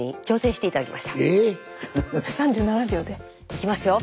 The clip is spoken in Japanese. いきますよ。